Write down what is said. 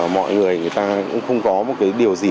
mọi người người ta cũng không có điều gì